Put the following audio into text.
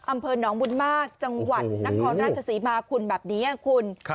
อำเภอหนองบุญมากจังหวัดนครราชศรีมาคุณแบบนี้คุณ